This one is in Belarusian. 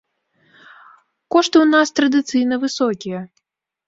Кошты ў нас традыцыйна высокія.